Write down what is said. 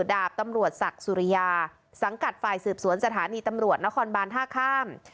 ดาบตำรวจศักดิ์สุริยาสังกัดฝ่ายสืบสวนสถานีตำรวจนครบานท่าข้าม